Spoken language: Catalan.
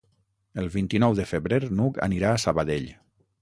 El vint-i-nou de febrer n'Hug anirà a Sabadell.